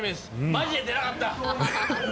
マジ出たかった。